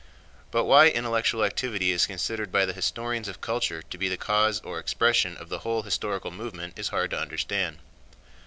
But why intellectual activity is considered by the historians of culture to be the cause or expression of the whole historical movement is hard to understand.